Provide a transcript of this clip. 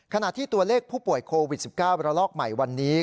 ขณะที่ตัวเลขผู้ป่วยโควิด๑๙ระลอกใหม่วันนี้